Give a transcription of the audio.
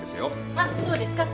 あっそうですか。